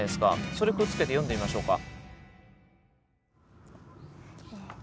それくっつけて詠んでみましょうか。